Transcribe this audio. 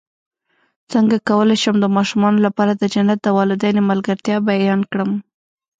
څنګه کولی شم د ماشومانو لپاره د جنت د والدینو ملګرتیا بیان کړم